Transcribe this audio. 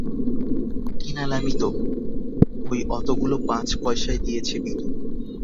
-কিনালামই তো, ওই অতগুলো পাঁচ পয়সায় দিয়েছে বিধু।